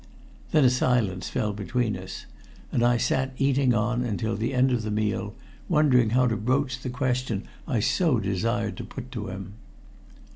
Then a silence fell between us, and I sat eating on until the end of the meal, wondering how to broach the question I so desired to put to him.